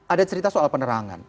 ada cerita soal penerangan